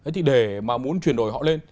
thì để mà muốn chuyển đổi họ lên